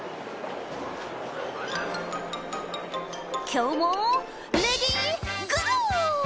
きょうもレディーゴー！